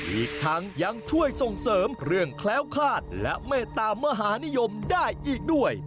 อีกทั้งยังช่วยส่งเสริมเรื่องแคล้วคาดและเมตตามหานิยมได้อีกด้วย